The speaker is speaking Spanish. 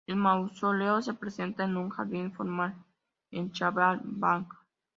El mausoleo se presenta en un jardín formal en "chahar bagh".